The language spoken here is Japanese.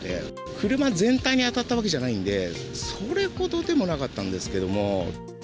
車全体に当たったわけじゃないんで、それほどでもなかったんですけども。